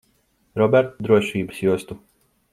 Robert, drošības jostu.